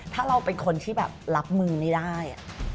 ถ้าเราเป็นคนที่แบบรับมือไม่ได้